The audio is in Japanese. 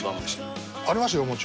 ありますよ